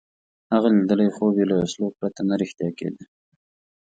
هغه لیدلی خوب یې له وسلو پرته نه رښتیا کېده.